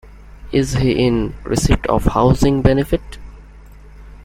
Is he in receipt of housing benefit?